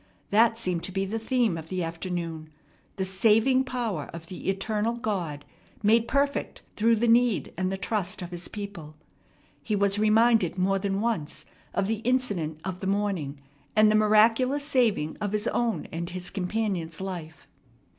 That seemed to be the theme of the afternoon, the saving power of the eternal God, made perfect through the need and the trust of His people. He was reminded more than once of the incident of the morning and the miraculous saving of his own and his companion's life.